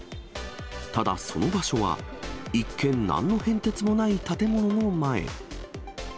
ただ、その場所は一見、なんの変哲もない建物の前。